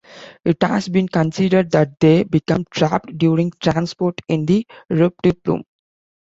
It has been considered that they became trapped during transport in the eruptive plume.